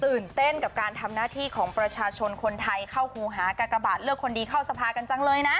เต้นกับการทำหน้าที่ของประชาชนคนไทยเข้าครูหากากบาทเลือกคนดีเข้าสภากันจังเลยนะ